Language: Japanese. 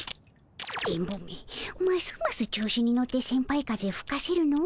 電ボめますます調子に乗ってセンパイ風吹かせるの。